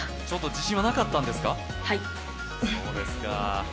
ちょっと自信はなかったんですか？